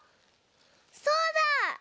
そうだ！